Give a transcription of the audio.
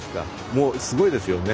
もうすごいですよね